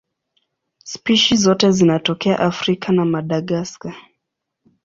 Spishi zote zinatokea Afrika na Madagaska.